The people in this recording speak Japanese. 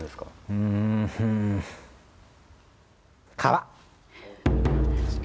うーん、皮！